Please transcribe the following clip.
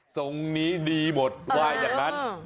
ทรงนี้ดีหมดว่าอย่างนั้น